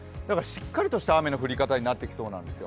しっかりとした雨の降り方になってきそうなんです。